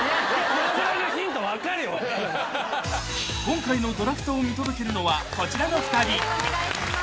［今回のドラフトを見届けるのはこちらの２人］お願いします。